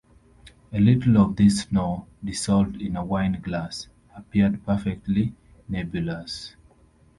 A little of this snow, dissolved in a wine glass, appeared perfectly nebulous.